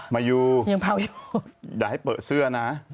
มาริยูอย่าให้เปิดเสื้อนะ